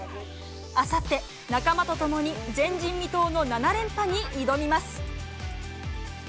あさって、仲間と共に前人未到の７連覇に挑みます。